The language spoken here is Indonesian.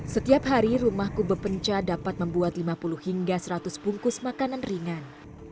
setiap hari rumah kube penca dapat membuat lima puluh hingga seratus bungkus makanan ringan